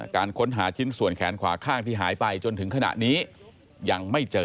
การค้นหาชิ้นส่วนแขนขวาข้างที่หายไปจนถึงขณะนี้ยังไม่เจอ